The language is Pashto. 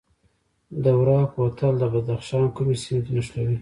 دوره کوتل د بدخشان کومې سیمې نښلوي؟